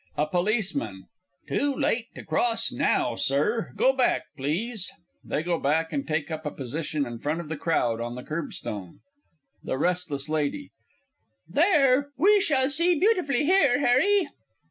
_ A POLICEMAN. Too late to cross now, Sir go back, please. [They go back and take up a position in front of the crowd on the curbstone. THE R. L. There, we shall see beautifully here, Harry.